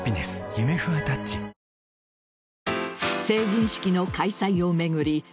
成人式の開催を巡り